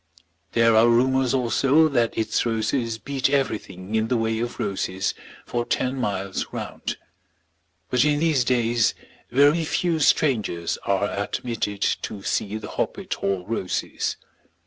There are rumours also that its roses beat everything in the way of roses for ten miles round. But in these days very few strangers are admitted to see the Hoppet Hall roses.